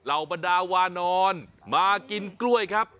บรรดาวานอนมากินกล้วยครับ